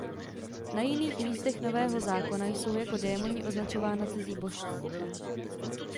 Na jiných místech Nového zákona jsou jako démoni označována cizí božstva.